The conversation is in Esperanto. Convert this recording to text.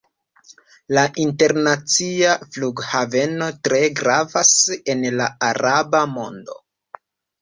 La internacia flughaveno tre gravas en la araba mondo.